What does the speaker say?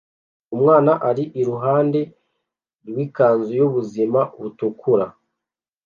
Umwana ari iruhande rwikanzu yubuzima butukura